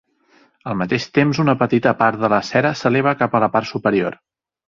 Al mateix temps una petita part de la cera s'eleva cap a la part superior.